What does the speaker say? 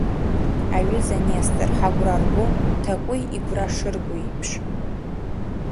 Аҩыза Нестор, ҳагәра ргом ҭакәи игәра шырго еиԥш.